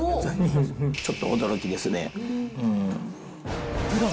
ちょっと驚きですね。